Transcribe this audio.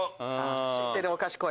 知ってるお菓子こい！